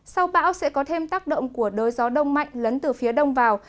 sau bão sẽ có thêm tác động của đới gió đông mạnh lấn từ phía đông vào